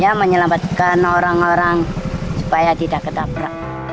ya menyelamatkan orang orang supaya tidak ketabrak